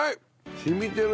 染みてるね